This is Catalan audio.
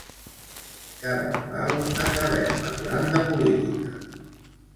Cada Nadal acabem parlant de política.